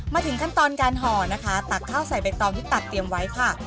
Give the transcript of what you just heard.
มาถึงขั้นตอนการห่อนะคะตักข้าวใส่ใบตองที่ตักเตรียมไว้ค่ะ